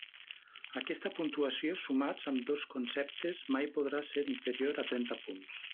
Aquesta puntuació, sumats ambdós conceptes, mai podrà ser inferior a trenta punts.